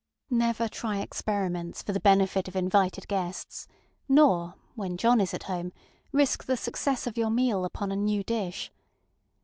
Never try experiments for the benefit of invited guests nor, when John is at home, risk the success of your meal upon a new dish.